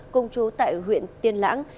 công chú tại huyện tiên lãng